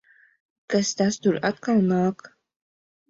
Kas tas tur atkal nāk?